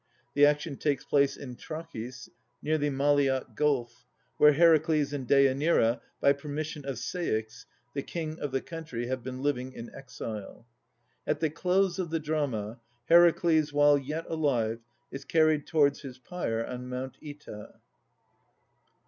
The action takes place in Trachis, near the Mahae Gulf, where Heracles and Deanira, by permission of Ceyx, the king of the country, have been living in exile. At the close of the drama, Heracles, while yet alive, is carried towards his pyre on Mount Oeta.